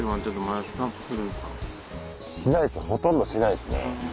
しないですほとんどしないですね